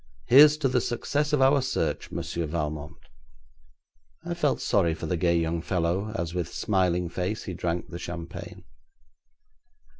Here's to the success of our search, Monsieur Valmont.' I felt sorry for the gay young fellow as with smiling face he drank the champagne.